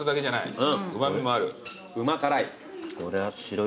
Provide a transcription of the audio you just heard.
うま辛い。